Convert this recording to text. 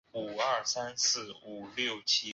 我才知道水没倒完